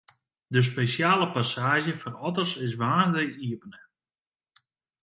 De spesjale passaazje foar otters is woansdei iepene.